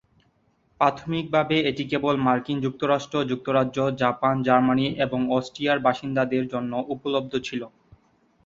প্রাথমিকভাবে এটি কেবল মার্কিন যুক্তরাষ্ট্র, যুক্তরাজ্য, জাপান, জার্মানি এবং অস্ট্রিয়ার বাসিন্দাদের জন্য উপলব্ধ ছিল।